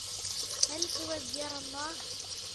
هل الأوز يرىَ الله ؟